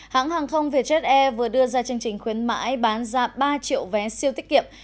hãng hàng không vietjet air vừa đưa ra chương trình khuyến mãi bán ra ba triệu vé siêu tiết kiệm